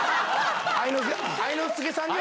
愛之助さんには。